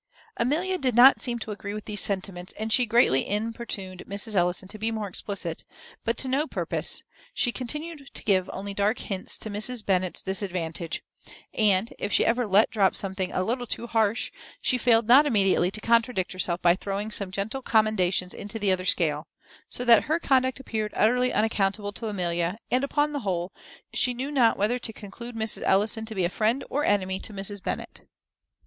Amelia did not seem to agree with these sentiments, and she greatly importuned Mrs. Ellison to be more explicit, but to no purpose; she continued to give only dark hints to Mrs. Bennet's disadvantage; and, if ever she let drop something a little too harsh, she failed not immediately to contradict herself by throwing some gentle commendations into the other scale; so that her conduct appeared utterly unaccountable to Amelia, and, upon the whole, she knew not whether to conclude Mrs. Ellison to be a friend or enemy to Mrs. Bennet.